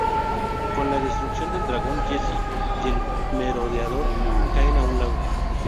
Con la destrucción del dragón, Jessie y el Merodeador caen a un lago.